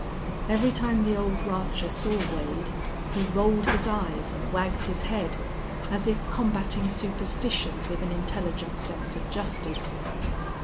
Every time the old rancher saw Wade he rolled his eyes and wagged his head, as if combating superstition with an intelligent sense of justice.